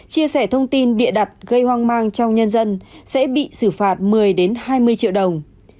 chia sẻ thông tin bịa đặt gây hoang mang trong nhân dân sẽ bị xử phạt một mươi hai mươi triệu đồng